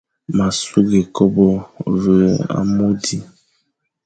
Ma sughé kobe ve amô di,